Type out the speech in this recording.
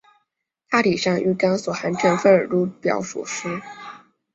大体上玉钢所含成分如表所示。